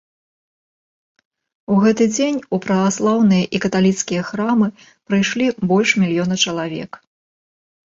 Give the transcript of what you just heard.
У гэты дзень у праваслаўныя і каталіцкія храмы прыйшлі больш мільёна чалавек.